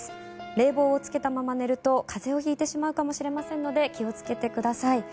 冷房をつけたまま寝ると風邪を引いてしまうかもしれませんので気をつけてください。